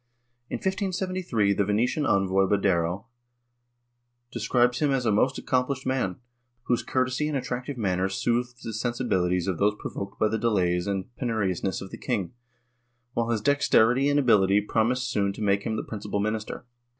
In 1573, the Venitian envoy Badoero describes him as a most accomplished man, whose courtesy and attractive manners soothed the sensibilities of those provoked by the delays and penuriousness of the king, vvhile his dexterity and ability promised soon to make him the principal minister.